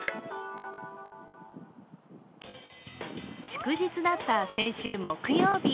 祝日だった先週木曜日。